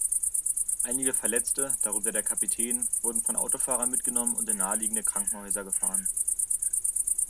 Einige Verletzte, darunter der Kapitän, wurden von Autofahrern mitgenommen und in naheliegende Krankenhäuser gefahren.